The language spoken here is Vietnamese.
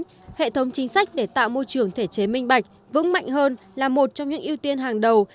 hệ thống chính sách để tạo môi trường thể chế minh bạch vững mạnh hơn là một trong những ưu tiên hàng đầu